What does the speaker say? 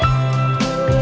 sống biển cao từ hai